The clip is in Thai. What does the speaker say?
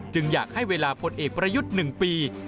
จึงอยากให้เวลาผลเอกประยุทธ์หนึ่งปี